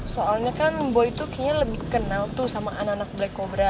soalnya kan boy itu kayaknya lebih kenal tuh sama anak anak black cobra